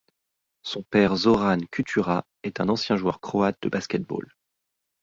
Son père Zoran Čutura est un ancien joueur croate de basket-ball.